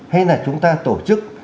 hay là chúng ta tổ chức